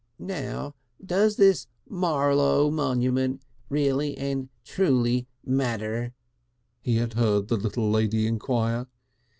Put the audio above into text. "Now does this Marlowe monument really and truly matter?" he had heard the little lady enquire.